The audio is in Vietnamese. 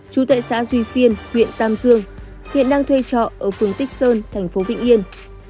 chú tệ xã duy phiên huyện tam dương hiện đang thuê trọ ở phường tích sơn thành phố vĩnh yên